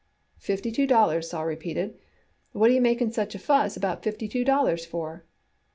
"Fifty two dollars?" Sol repeated. "What are you making such a fuss about fifty two dollars for?"